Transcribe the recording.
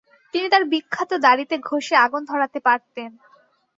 তিনি তার বিখ্যাত দাড়িতে ঘষে আগুন ধরাতে পারতেন।